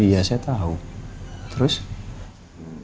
iya bapak kan baru saja cederakan